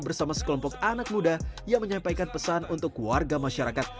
bersama sekelompok anak muda yang menyampaikan pesan untuk warga masyarakat